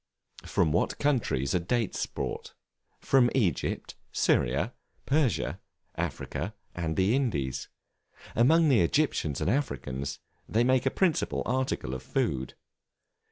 From what countries are Dates brought? From Egypt, Syria, Persia, Africa, and the Indies. Among the Egyptians and Africans, they make a principal article of food.